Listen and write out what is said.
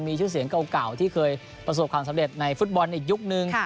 มีชื่อเสียงเก่าที่เคยประสบความสำเร็จในฟุตบอลอีกยุคนึง